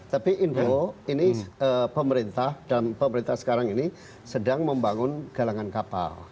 tapi info ini pemerintah dan pemerintah sekarang ini sedang membangun galangan kapal